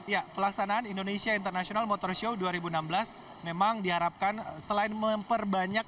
ya pelaksanaan indonesia international motor show dua ribu enam belas memang diharapkan selain memperbanyak